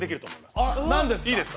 あっ何ですか？